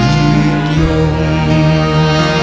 ชีวิตยัง